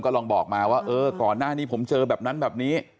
ลองบอกมาว่าเออก่อนหน้านี้ผมเจอแบบนั้นแบบนี้